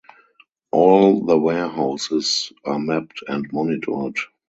All the warehouses were mapped and monitored.